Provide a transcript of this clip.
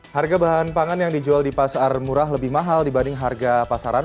harga bahan pangan yang dijual di pasar murah lebih mahal dibanding harga pasaran